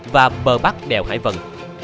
và bờ bắc đèo hải vân